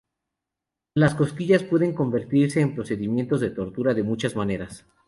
Las cosquillas pueden convertirse en procedimientos de tortura, de muchas maneras.